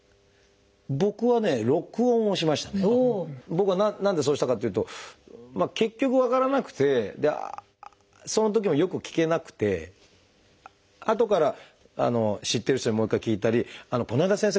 僕は何でそうしたかというと結局分からなくてそのときもよく聞けなくてあとから知ってる人にもう一回聞いたり「この間先生